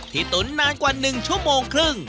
ตุ๋นนานกว่า๑ชั่วโมงครึ่ง